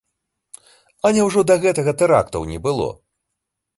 А няўжо да гэтага тэрактаў не было?